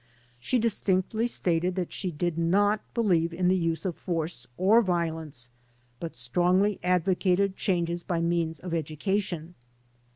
She distinctly stated that she did not believe in the use of force or violence but strongly advocated changes by means of education.